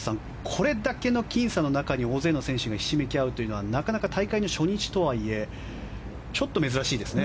これだけの僅差の中に大勢の選手がひしめき合うというのはなかなか大会の初日とはいえ珍しいですね。